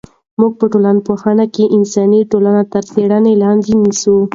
موږ په ټولنپوهنه کې انساني ټولنې تر څېړنې لاندې نیسو.